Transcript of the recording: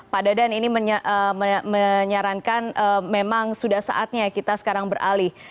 pak dadan ini menyarankan memang sudah saatnya kita sekarang beralih